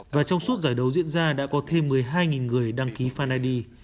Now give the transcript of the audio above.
và trong suốt giải đấu diễn ra đã có thêm một mươi hai người đăng ký fan id